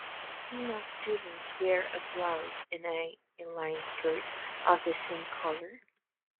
Female students wear a blouse and A-line skirt of the same color.